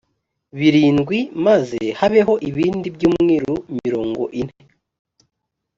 birindwi maze habeho ibindi byumweru mirongo ine